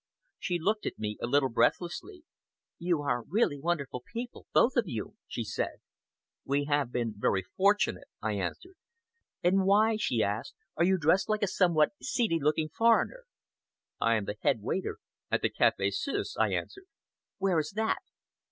She looked at me a little breathlessly. "You are really wonderful people, both of you," she said. "We have been very fortunate," I answered. "And why," she asked, "are you dressed like a somewhat seedy looking foreigner?" "I am the head waiter at the Café Suisse," I answered. "Where is that?"